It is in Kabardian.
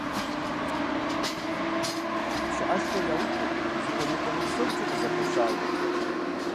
ПщыӀэшхуэ яухуэт, зыхуэныкъуэну псомкӀи къызэгъэпэщауэ,.